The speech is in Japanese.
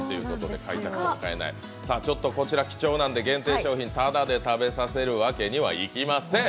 こちら貴重なんで限定商品たたで食べさせるわけにはいきません。